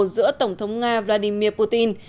giữa tổng thống nga vladimir putin